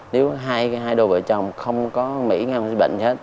nếu hai đôi vợ chồng không có mỹ ngăn bệnh hết